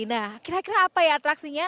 nah kira kira apa ya atraksinya